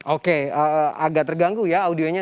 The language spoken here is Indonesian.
oke agak terganggu ya audionya